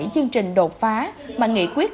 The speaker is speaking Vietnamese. bảy chương trình đột phá mà nghị quyết